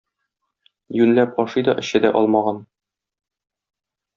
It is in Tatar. Юньләп ашый да, эчә дә алмаган.